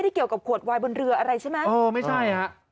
กับขวดวายบนเรืออะไรใช่ไหมอ้อไม่ใช่อ่ะ